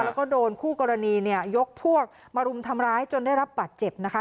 แล้วก็โดนคู่กรณีเนี่ยยกพวกมารุมทำร้ายจนได้รับบัตรเจ็บนะคะ